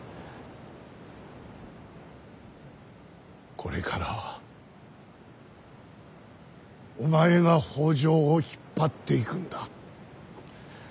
これからはお前が北条を引っ張っていくんだ。